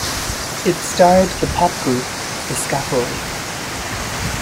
It starred the pop group The Scaffold.